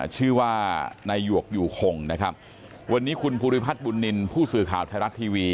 ชื่อว่านายหยวกอยู่คงนะครับวันนี้คุณภูริพัฒน์บุญนินทร์ผู้สื่อข่าวไทยรัฐทีวี